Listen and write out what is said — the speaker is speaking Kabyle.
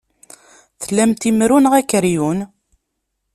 Tlamt imru neɣ akeryun?